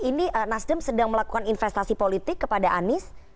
ini nasdem sedang melakukan investasi politik kepada anies